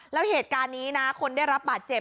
แล้วเหตุการณ์นี้นะคนได้รับบาดเจ็บ